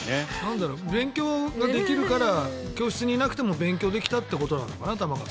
勉強ができるから教室にいなくても勉強できたってことなのかな。